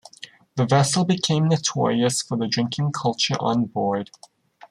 The vessel became notorious for the drinking culture on board.